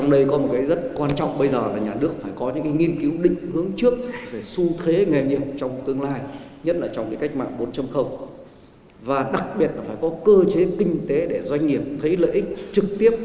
đặc biệt là phải có cơ chế kinh tế để doanh nghiệp thấy lợi ích trực tiếp